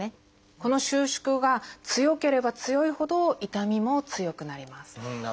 この収縮が強ければ強いほど痛みも強くなります。